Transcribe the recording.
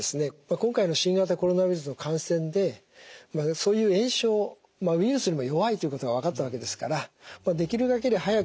今回の新型コロナウイルスの感染でそういう炎症ウイルスにも弱いということが分かったわけですからできるだけ早くですね